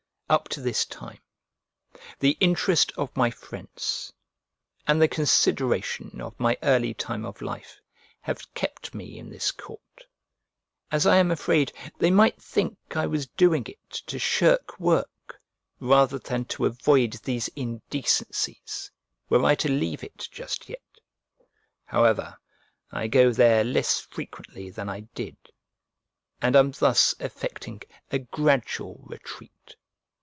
Up to this time the interest of my friends and the consideration of my early time of life have kept me in this court, as I am afraid they might think I was doing it to shirk work rather than to avoid these indecencies, were I to leave it just yet: however, I go there less frequently than I did, and am thus effecting a gradual retreat.